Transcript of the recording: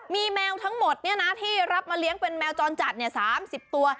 มีแมวทั้งหมดที่รับมาเลี้ยงเป็นแมวจรจัด๓๐ตัว